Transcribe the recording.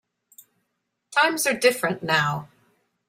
Times are different now.